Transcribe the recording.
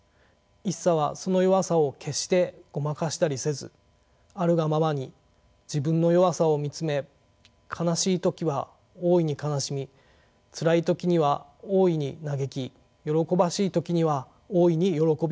一茶はその弱さを決してごまかしたりせずあるがままに自分の弱さを見つめ悲しい時は大いに悲しみつらい時には大いに嘆き喜ばしい時には大いに喜びました。